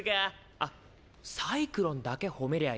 あっサイクロンだけホメりゃあいいのか。